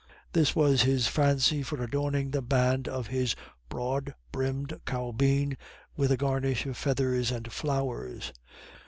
This was his fancy for adorning the band of his broad brimmed caubeen with a garnish of feathers and flowers.